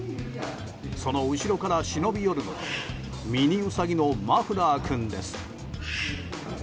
その後ろから忍び寄るのはミニウサギのマフラー君です。